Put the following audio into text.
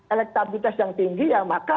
elektabilitas yang tinggi ya maka